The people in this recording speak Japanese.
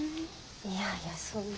いやいやそんな。